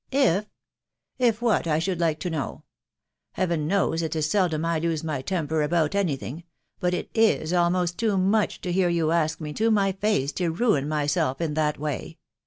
if what, I should like to know ? Tcnows it is seldom I lose my temper about any 1suam>imt'Si* almost too much to hear you ask me to my £aeeao rnitLsnysdl In that way